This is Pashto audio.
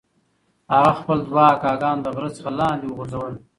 هغه خپل دوه اکاګان له غره څخه لاندې وغورځول.